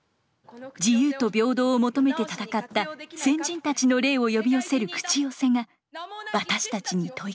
自由と平等を求めて戦った先人たちの霊を呼び寄せる口寄せが私たちに問いかけます。